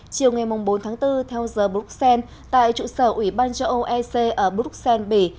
chiều ngày bốn tháng bốn theo giờ bruxelles tại trụ sở ủy ban châu âu ec ở bruxelles bỉ